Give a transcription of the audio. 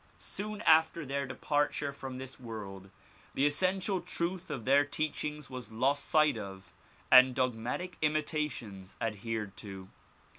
Soon after their departure from this world, the essential truth of their teachings was lost sight of and dogmatic imitations adhered to.